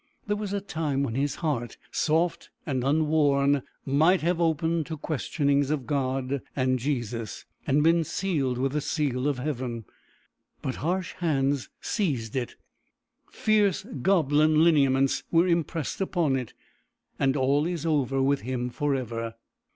There was a time when his heart, soft and unworn, might have opened to questionings of God and Jesus, and been sealed with the seal of Heaven. But harsh hands seized it; fierce goblin lineaments were impressed upon it; and all is over with him forever!